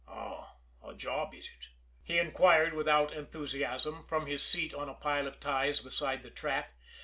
"Oh, a job is ut?" he inquired without enthusiasm, from his seat on a pile of ties beside the track.